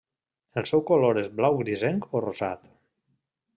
El seu color és blau grisenc o rosat.